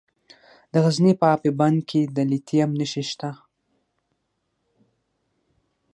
د غزني په اب بند کې د لیتیم نښې شته.